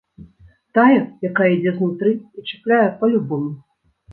Тая, якая ідзе знутры і чапляе па-любому.